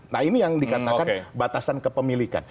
nah ini yang dikatakan batasan kepemilikan